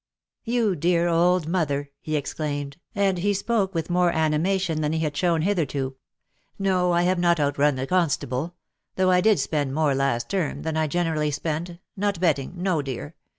"You dear old mother," he exclaimed, and he spoke with more animation than he had shown hitherto. "No, I have not outrun the constable; though I did spend more last term than I generally spend — not betting — no, dear.